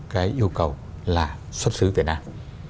cái yêu cầu là xuất xứ việt nam